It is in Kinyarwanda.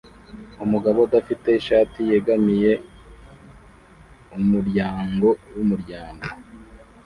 Umugabo udafite ishati yegamiye umuryango wumuryango